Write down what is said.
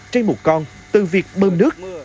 trên một con từ việc bơm nước